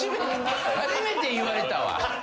初めて言われたわ！